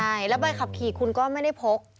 ใช่แล้วใบขับขี่คุณก็ไม่ได้พก